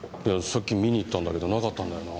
さっき見に行ったんだけどなかったんだよな。